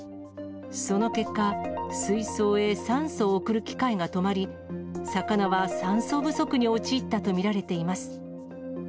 その結果、水槽へ酸素を送る機械が止まり、魚は酸素不足に陥ったと見られています。